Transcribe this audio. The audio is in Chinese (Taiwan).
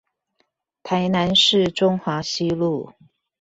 台南市中華西路